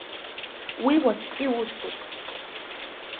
Уи уаҵәтәи усуп.